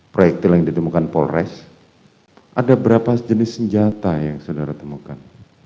proyektil yang ditemukan polres ada berapa jenis senjata yang saudara temukan